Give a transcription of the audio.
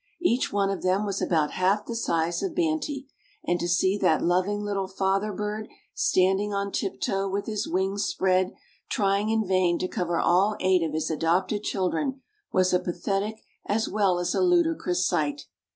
Each one of them was about half the size of "Banty," and to see that loving little father bird standing on tiptoe with his wings spread, trying in vain to cover all eight of his adopted children, was a pathetic as well as a ludicrous sight.